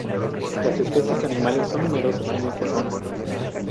Las especies animales son numerosas en esta zona.